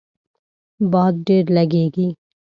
باد ډیر لږیږي